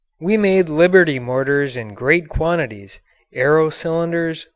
We made Liberty motors in great quantities, aero cylinders, 1.